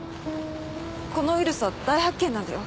このウイルスは大発見なんだよ